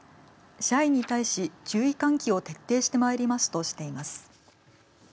社員に対し注意喚起を徹底してまいりますとしています。